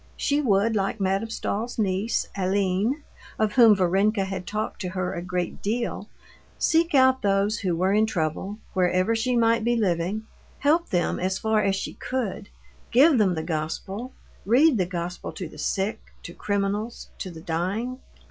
She would, like Madame Stahl's niece, Aline, of whom Varenka had talked to her a great deal, seek out those who were in trouble, wherever she might be living, help them as far as she could, give them the Gospel, read the Gospel to the sick, to criminals, to the dying.